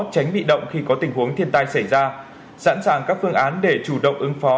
tránh bị động khi có tình huống thiên tai xảy ra sẵn sàng các phương án để chủ động ứng phó